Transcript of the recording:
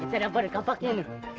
kita dapat kampaknya nih